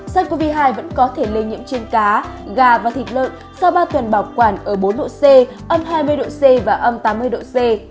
sars cov hai vẫn có thể lây nhiễm trên cá gà và thịt lợn sau ba tuần bảo quản ở bốn độ c âm hai mươi độ c và âm tám mươi độ c